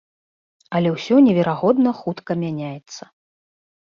Але ўсё неверагодна хутка мяняецца.